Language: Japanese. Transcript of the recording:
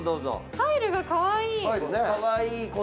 タイルがかわいい。